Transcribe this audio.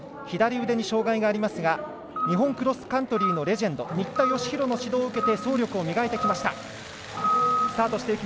左腕に障がいがありますが日本クロスカントリーのレジェンド新田佳浩の指導を受けて走力を磨いてきました。